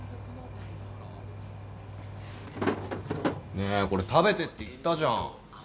ねえこれ食べてって言ったじゃん。